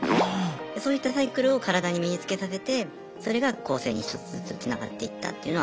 そういったサイクルを体に身につけさせてそれが更生に１つずつつながっていったっていうのはあるとは思います。